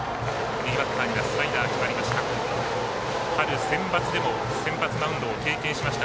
右バッターにスライダー決まりました。